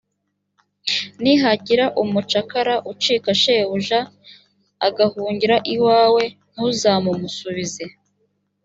nihagira umucakara ucika shebuja, agahungira iwawe, ntuzamumusubize;